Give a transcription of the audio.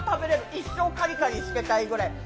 一生かりかりしてたいくらい。